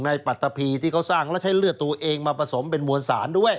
ปัตตะพีที่เขาสร้างแล้วใช้เลือดตัวเองมาผสมเป็นมวลสารด้วย